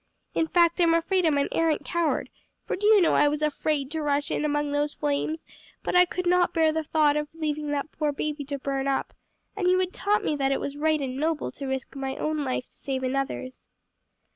In fact I'm afraid I'm an arrant coward; for do you know I was afraid to rush in among those flames; but I could not bear the thought of leaving that poor baby to burn up, and you had taught me that it was right and noble to risk my own life to save another's."